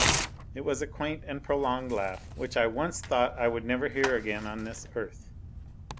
It was a quaint and prolonged laugh which I once thought I would never hear again on this earth.